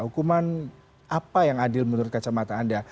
hukuman apa yang adil menurut kacamata anda